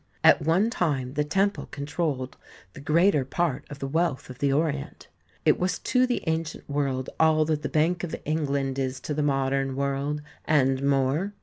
At one time the temple controlled the greater part of the wealth of the Orient. It was to the ancient world all that the Bank of England is to the modern world, and more.